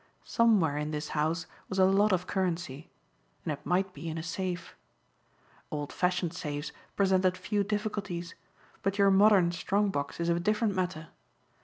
Somewhere in this house was a lot of currency. And it might be in a safe. Old fashioned safes presented few difficulties, but your modern strong box is a different matter.